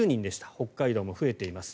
北海道も増えています。